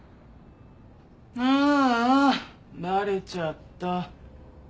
ああバレちゃった。